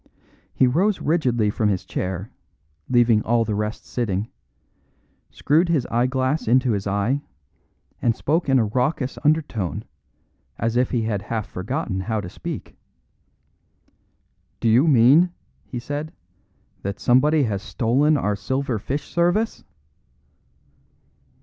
He rose rigidly from his chair, leaving all the rest sitting, screwed his eyeglass into his eye, and spoke in a raucous undertone as if he had half forgotten how to speak. "Do you mean," he said, "that somebody has stolen our silver fish service?"